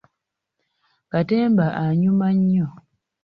Katemba anyuma nnyo.